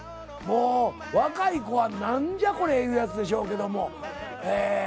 もう若い子は何じゃこれいうやつでしょうけども。